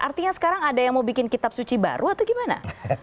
artinya sekarang ada yang mau bikin kitab suci baru atau gimana